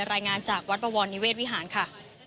รายงานจากวัดบวรนิเวศวิหารค่ะ